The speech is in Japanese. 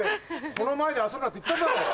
この前で遊ぶなって言っただろ！